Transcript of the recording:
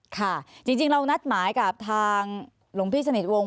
ค่ะจริงเรานัดหมายกับทางหลวงพี่สนิทวงศ